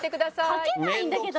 書けないんだけど。